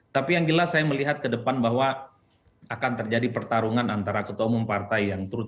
tapi yang jelas saya melihat ke depan bahwa akan terjadi pertarungan antara ketua umum partai yang terus